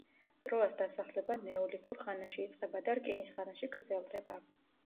ტროას დასახლება ნეოლითურ ხანაში იწყება და რკინის ხანაში გრძელდება.